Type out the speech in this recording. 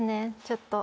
ちょっと。